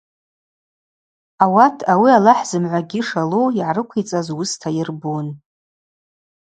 Ауат ауи Алахӏ зымгӏвагьи шалу йгӏарыквицӏаз уыста йырбун.